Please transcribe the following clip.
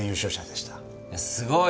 すごい！